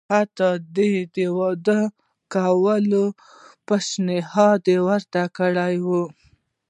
حتی د ودونو د کولو پېشنهاد ورته کړی وو.